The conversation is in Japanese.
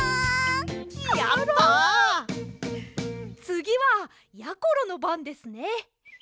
つぎはやころのばんですね。